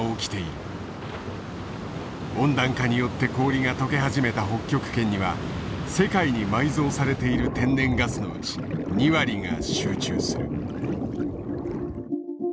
温暖化によって氷が解け始めた北極圏には世界に埋蔵されている天然ガスのうち２割が集中する。